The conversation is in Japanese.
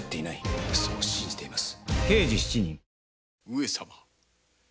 上様。